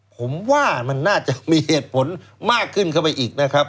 ผมว่ามันน่าจะมีเหตุผลมากขึ้นเข้าไปอีกนะครับ